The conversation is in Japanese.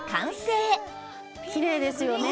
きれいですよね。